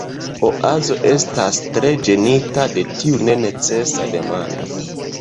Oazo estas tre ĝenita de tiu nenecesa demando.